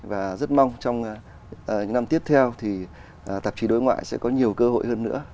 và rất mong trong những năm tiếp theo thì tạp chí đối ngoại sẽ có nhiều cơ hội hơn nữa